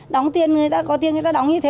đóng tiền người ta có tiền người ta đóng như thế